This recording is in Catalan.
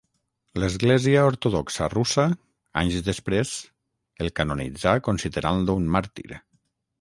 L'Església Ortodoxa Russa, anys després, el canonitzà considerant-lo un màrtir.